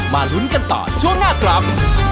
ลุ้นกันต่อช่วงหน้าครับ